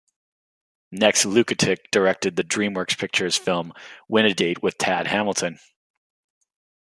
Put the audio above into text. Next, Luketic directed the DreamWorks Pictures film "Win a Date with Tad Hamilton!".